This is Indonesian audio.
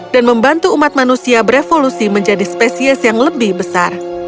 dan membantu umat manusia berevolusi menjadi spesies yang lebih besar